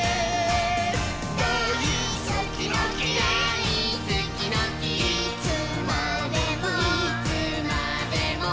「いつまでも」